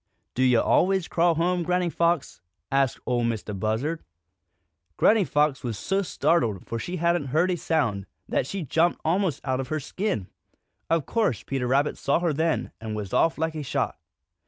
"Do yo' always crawl home, Granny Fox?" asked Ol' Mistah Buzzard. Granny Fox was so startled, for she hadn't heard a sound, that she jumped almost out of her skin. Of course Peter Rabbit saw her then, and was off like a shot.